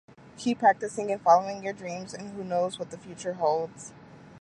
Keep practicing and following your dreams, and who knows what the future holds.